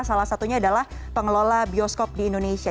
salah satunya adalah pengelola bioskop di indonesia